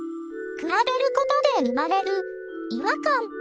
比べることで生まれる違和感。